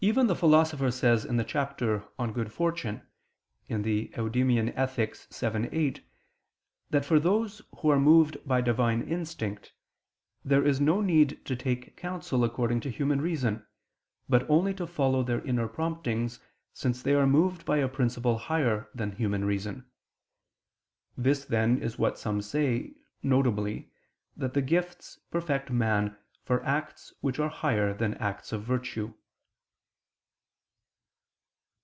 Even the Philosopher says in the chapter On Good Fortune (Ethic. Eudem., vii, 8) that for those who are moved by Divine instinct, there is no need to take counsel according to human reason, but only to follow their inner promptings, since they are moved by a principle higher than human reason. This then is what some say, viz. that the gifts perfect man for acts which are higher than acts of virtue.